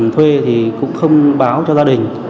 thuê thì cũng không báo cho gia đình